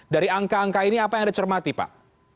dari angka angka ini apa yang anda cermati pak